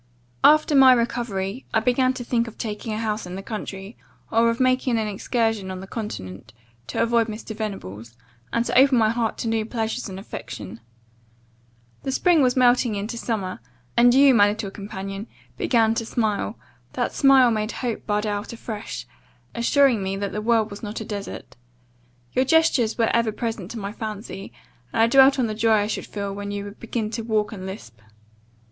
"After my recovery, I began to think of taking a house in the country, or of making an excursion on the continent, to avoid Mr. Venables; and to open my heart to new pleasures and affection. The spring was melting into summer, and you, my little companion, began to smile that smile made hope bud out afresh, assuring me the world was not a desert. Your gestures were ever present to my fancy; and I dwelt on the joy I should feel when you would begin to walk and lisp.